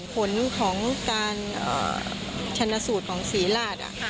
ผลของการชนสูตรของศรีราช